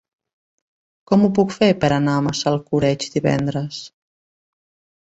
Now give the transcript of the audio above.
Com ho puc fer per anar a Massalcoreig divendres?